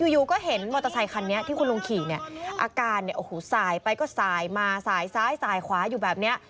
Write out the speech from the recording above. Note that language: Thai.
อยู่ก็เห็นมอเตอร์ไซคันนี้ที่คุณลุงขี่เนี่ยอาการเนี่ยโอ้โหสายไปก็สายมาสายซ้ายสายขวาอยู่แบบนี้